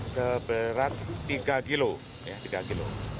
seberat tiga kilo